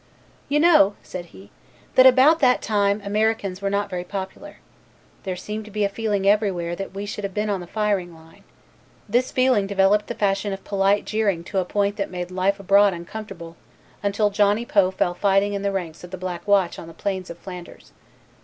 "You know," said he, "that at about that time Americans were not very popular. There seemed to be a feeling everywhere that we should have been on the firing line. This feeling developed the fashion of polite jeering to a point that made life abroad uncomfortable until Johnny Poe fell fighting in the ranks of the Black Watch on the plains of Flanders.